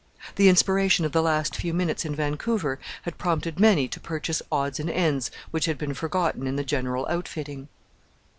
The inspiration of the last few minutes in Vancouver had prompted many to purchase odds and ends which had been forgotten in the general outfitting.